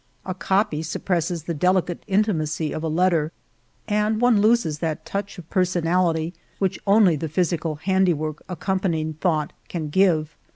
A copy suppresses the deli cate intimacy of a letter, and one loses that touch of personality which only the physical handiwork accompanying thought can give.